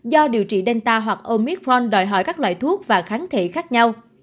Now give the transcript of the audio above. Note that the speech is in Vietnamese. do điều trị delta hoặc omitron đòi hỏi các loại thuốc và kháng thể khác nhau